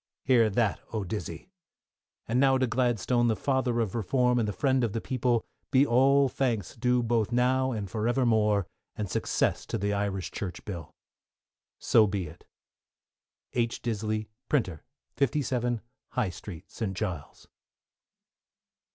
Hear that, oh, Dizzey. And now to Gladstone, the father of Reform, and the friend of the people, be all thanks due both now and for evermore, and success to the Irish Church Bill. So be it. H. Disley, Printer, 57, High Street, St. Giles.